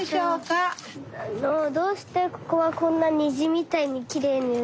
どうしてここはこんなにじみたいにきれいに？